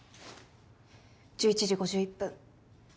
１１時５１分